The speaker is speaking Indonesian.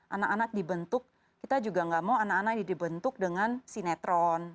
anak anak dibentuk kita juga nggak mau anak anak ini dibentuk dengan sinetron